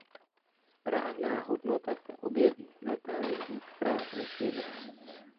Správná hodnota se objeví znatelně vícekrát než jiné.